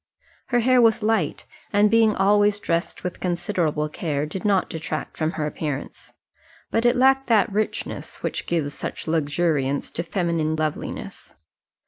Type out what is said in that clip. Her hair was light, and being always dressed with considerable care, did not detract from her appearance; but it lacked that richness which gives such luxuriance to feminine loveliness.